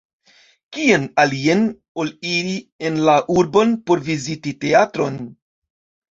Kien alien ol iri en la urbon por viziti teatron?